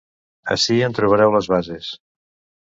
Ací en trobareu les bases.